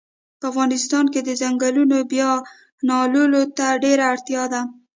په افغانستان کښی د ځنګلونو بیا نالولو ته ډیره اړتیا ده